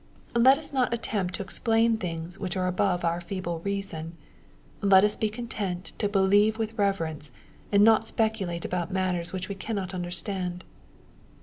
Let us not attempt to explain things which are above our feeble reason. Let us be content to believe with reverence, and not speculate about matters which we cannot understand.